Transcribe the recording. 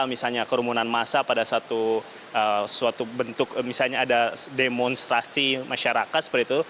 misalnya kerumunan massa pada suatu bentuk misalnya ada demonstrasi masyarakat seperti itu